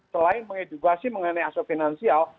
selain mengedukasi mengenai aspek finansial